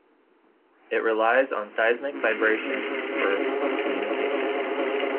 It relies on seismic vibrations for communication.